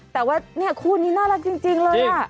แต่ว่าเนี่ยคู่นี้น่ารักจริงเลย